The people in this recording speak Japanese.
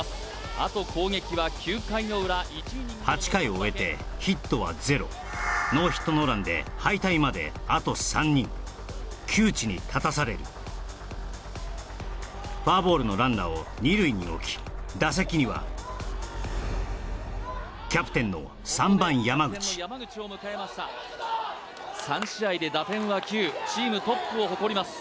あと攻撃は９回の裏８回を終えてヒットはゼロ窮地に立たされるフォアボールのランナーを２塁に置き打席にはキャプテンの３番山口３試合で打点は９チームトップを誇ります